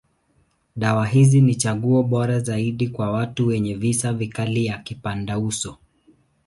Dawa hizi ni chaguo bora zaidi kwa watu wenye visa vikali ya kipandauso.